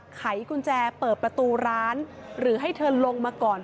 ไขกุญแจเปิดประตูร้านหรือให้เธอลงมาก่อน